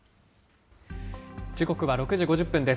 時刻は６時５０分です。